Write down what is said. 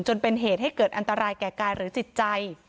จนเป็นเหตุให้เกิดอันตรายแก่กายหรือจิตใจ